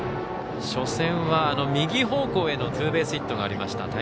初戦は右方向へのツーベースヒットがありました。